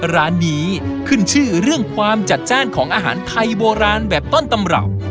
ร้านนี้ขึ้นชื่อเรื่องความจัดจ้านของอาหารไทยโบราณแบบต้นตำรับ